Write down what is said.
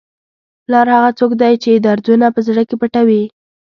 پلار هغه څوک دی چې دردونه په زړه کې پټوي.